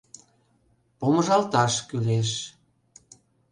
Помыжалташ кӱлеш.